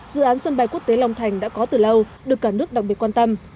dự án sân bay quốc tế long thành đã có từ lâu được cả nước đặc biệt quan tâm